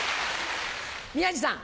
宮治さん。